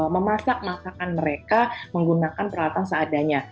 memasak masakan mereka menggunakan peralatan seadanya